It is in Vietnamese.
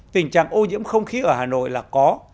tình trạng ô nhiễm không khí ở hà nội là có